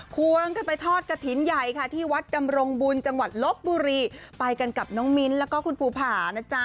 ควงกันไปทอดกระถิ่นใหญ่ค่ะที่วัดดำรงบุญจังหวัดลบบุรีไปกันกับน้องมิ้นแล้วก็คุณภูผานะจ๊ะ